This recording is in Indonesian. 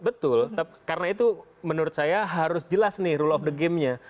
betul karena itu menurut saya harus jelas nih rule of the game nya